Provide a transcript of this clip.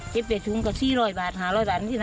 เก็บ๘ถุงก็๔๐๐บาท๕๐๐บาทนี่นะ